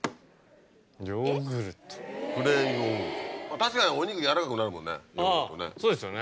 確かにお肉軟らかくなるもんね。